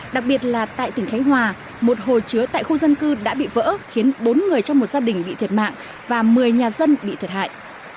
đặc biệt là tại tỉnh khánh hòa một hồ chứa tại khu dân cư đã bị vỡ khiến bốn người trong một gia đình bị thiệt mạng và một mươi nhà dân bị thiệt hại